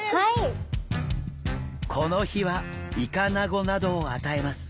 この日はイカナゴなどを与えます。